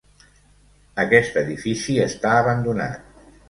Aquest edifici està abandonat.